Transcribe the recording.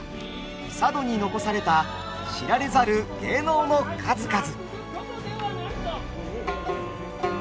佐渡に残された知られざる芸能の数々！